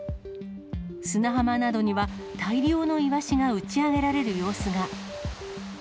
砂浜などには、大量のイワシが打ち上げられる様子が。